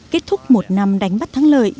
kết thúc một năm đánh bắt thắng lợi